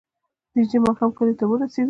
نژدې ماښام کلي ته ورسېدو.